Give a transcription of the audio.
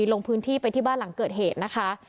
ลงพื้นที่ไปที่บ้านหลังเกิดเหตุนะคะ